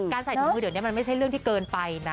ใส่ถุงมือเดี๋ยวนี้มันไม่ใช่เรื่องที่เกินไปนะ